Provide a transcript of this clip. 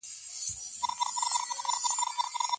رجعي طلاق خاوند او ميرمن متوجه کوي.